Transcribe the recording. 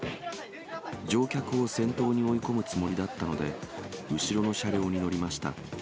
乗客を先頭に追い込むつもりだったので、後ろの車両に乗りました。